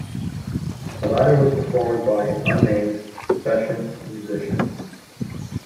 The latter was performed by an unnamed session musician.